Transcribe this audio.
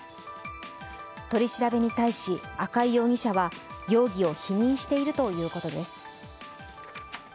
取り調べに対し、赤井容疑者は容疑を否認しているということです。